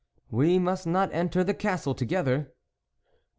"We must not enter the castle to gether."